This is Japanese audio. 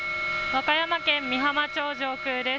和歌山県美浜町上空です。